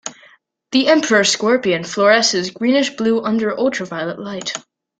The emperor scorpion fluoresces greenish-blue under ultra-violet light.